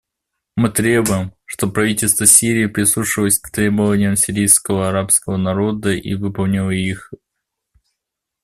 Мы требуем, чтобы правительство Сирии прислушалось к требованиям сирийского арабского народа и выполнило их.